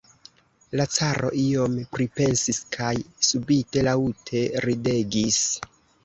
La caro iom pripensis kaj subite laŭte ridegis.